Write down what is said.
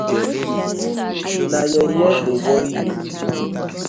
Na yeye dey worry you.